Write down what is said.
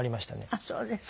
あっそうですか。